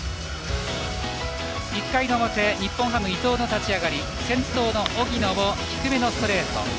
１回の表、日本ハム、伊藤の立ち上がり、先頭の荻野低めのストレート。